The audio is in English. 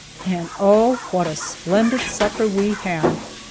And oh, what a splendid supper we had!